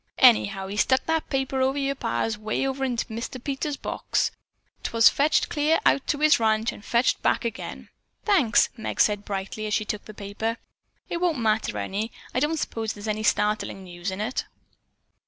Anyhow he stuck that paper o' yer pa's 'way over into Mr. Peters' box. 'Twas fetched clear out to his ranch and fetched back agin." "Thanks." Meg said brightly, as she took the paper. "It won't matter any. I don't suppose there's any startling news in it."